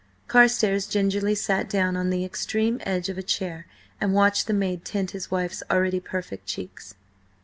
Carstares gingerly sat down on the extreme edge of a chair and watched the maid tint his wife's already perfect cheeks.